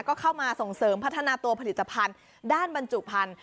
ก็เข้ามาส่งเสริมพัฒนาตัวผลิตภัณฑ์ด้านบรรจุพันธุ